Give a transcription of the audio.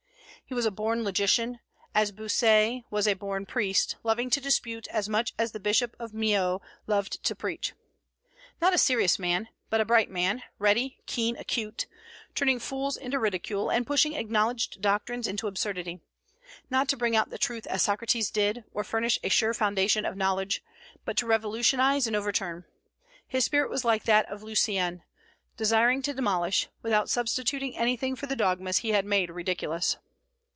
He was a born logician, as Bossuet was a born priest, loving to dispute as much as the Bishop of Meaux loved to preach; not a serious man, but a bright man, ready, keen, acute, turning fools into ridicule, and pushing acknowledged doctrines into absurdity; not to bring out the truth as Socrates did, or furnish a sure foundation of knowledge, but to revolutionize and overturn. His spirit was like that of Lucien, desiring to demolish, without substituting anything for the dogmas he had made ridiculous.